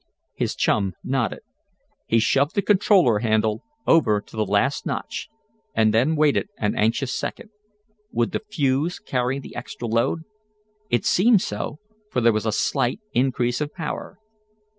His chum nodded. He shoved the controller handle over to the last notch, and then waited an anxious second. Would the fuse carry the extra load? It seemed so, for there was a slight increase of power.